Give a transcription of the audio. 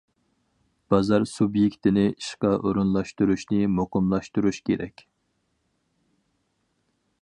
بازار سۇبيېكتىنى، ئىشقا ئورۇنلاشتۇرۇشنى مۇقىملاشتۇرۇش كېرەك.